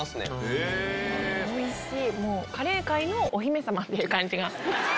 おいしい！